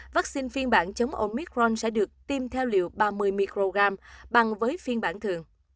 vaccine phiên bản chống omicron sẽ được tiêm theo liều ba mươi mg bằng với phiên bản thường